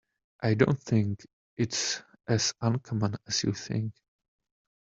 I don't think it's as uncommon as you think.